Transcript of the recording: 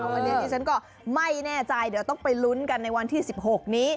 วันนี้ที่ฉันก็ไม่แน่ใจเดี๋ยวต้องไปลุ้นกันในวันที่๑๖นี้